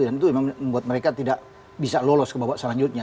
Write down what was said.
dan itu memang membuat mereka tidak bisa lolos ke bawah selanjutnya